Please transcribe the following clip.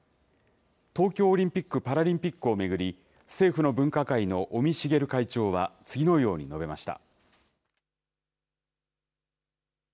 東京オリンピック・パラリンピックを巡り、政府の分科会の尾身茂会長は、次のように述べました。